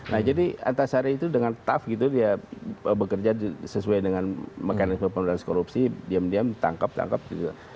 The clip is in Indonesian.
nah jadi antasari itu dengan tough gitu dia bekerja sesuai dengan mekanisme pemerintahan korupsi diam diam tangkap tangkap gitu